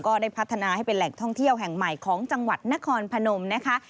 ก็ได้พัฒนาให้เป็นแหล่งท่องเที่ยวแห่งใหม่ของจังหวัดนครพนมนะคะ